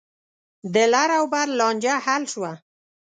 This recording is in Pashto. د لر او بر لانجه حل شوه.